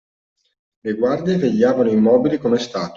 Le guardie vegliavano immobili come statue